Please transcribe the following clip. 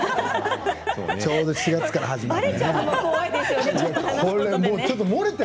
ちょうど４月から始まって。